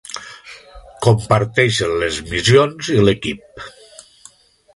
Comparteixen les missions i l'equip.